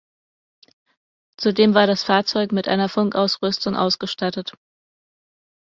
Zudem war das Fahrzeug mit einer Funkausrüstung ausgestattet.